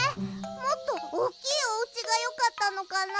もっとおっきいおうちがよかったのかな。